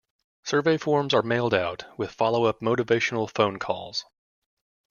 Survey forms are mailed out, with follow-up motivational phone calls.